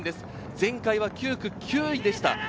前回は９区９位でした。